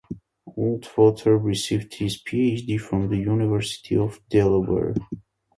Atwater received his PhD from the University of Delaware.